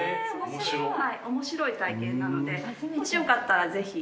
面白い体験なのでもしよかったらぜひ。